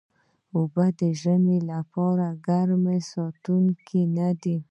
اوبه د ژمي لپاره ګرم ساتونکي نه دي